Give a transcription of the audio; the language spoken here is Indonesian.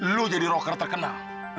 lu jadi roker terkenal